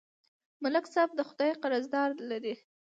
ملک صاحب د خدای قرضداري لري